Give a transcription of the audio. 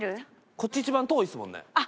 こっち一番遠いですもんね。